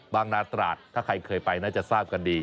นาตราดถ้าใครเคยไปน่าจะทราบกันดี